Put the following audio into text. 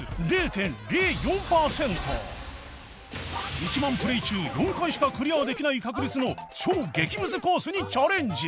１万プレイ中４回しかクリアできない確率の超激ムズコースにチャレンジ